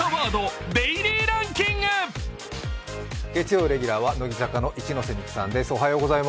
月曜レギュラーは乃木坂の一ノ瀬美空さんです。